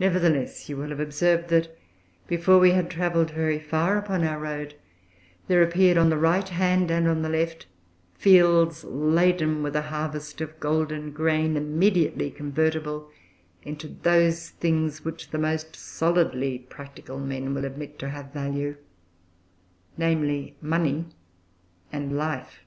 Nevertheless, you will have observed that before we had travelled very far upon our road, there appeared, on the right hand and on the left, fields laden with a harvest of golden grain, immediately convertible into those things which the most solidly practical men will admit to have value viz., money and life.